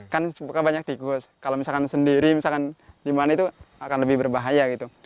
kan banyak tikus kalau misalkan sendiri di mana itu akan lebih berbahaya